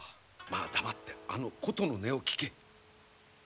まあ黙ってあの琴の音を聴け。